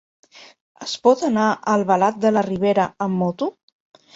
Es pot anar a Albalat de la Ribera amb moto?